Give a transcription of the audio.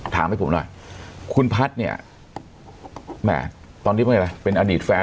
ให้ผมหน่อยคุณพัฒน์เนี่ยแหมตอนนี้เป็นอะไรเป็นอดีตแฟน